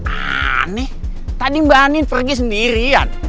aneh tadi mbak anin pergi sendirian